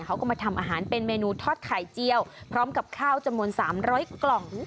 เขาก็มาทำอาหารเป็นเมนูทอดไข่เจียวพร้อมกับข้าวจำนวน๓๐๐กล่อง